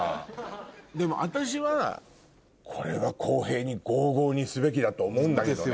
でも私はこれは。にすべきだと思うんだけどね。